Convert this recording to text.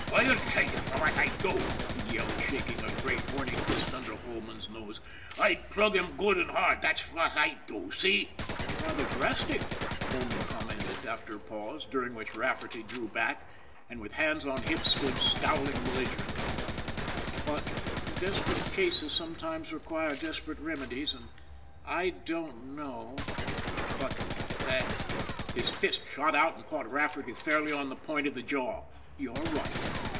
" I'll tell you fwhat I'd do," he yelled, shaking a great horny fist under Holman's nose. " I'd plug him good an' hard, that's fwhat I'd do ! See !"" Rather drastic," Holman commented after a pause, during which Rafferty drew back and with hands on hips stood scowling belligerently. " But RAFFERTY'S RULE II desperate cases sometimes require desperate remedies, and I don't know but that " his fist shot out and caught Rafferty fairly on the point of the jaw "you're right!"